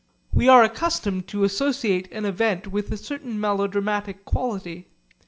We are accustomed to associate an event with a certain melodramatic quality.